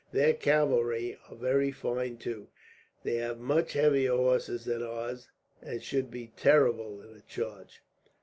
Their cavalry are very fine, too. They have much heavier horses than ours, and should be terrible in a charge.